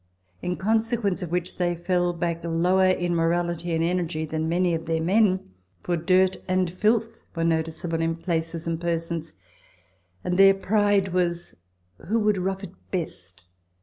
In consequence of which they fell back lower in morality and energy than many of their men, for dirt and filth were noticeable in places and persons, and their pride was, who would rough it best.